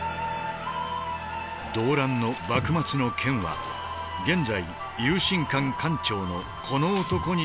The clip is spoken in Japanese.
動乱の幕末の剣は現在有信館館長のこの男に受け継がれている。